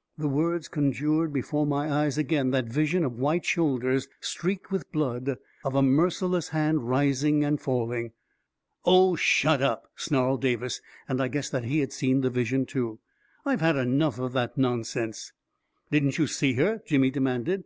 " The words conjured before my eyes again that vision of white shoulders streaked with blood, of a merciless hand rising and falling ... 44 Oh, shut up !" snarled Davis, and I guessed that he had seen the vision too. " I've had enough of that nonsense 1 " 44 Didn't you see her? " Jimmy demanded.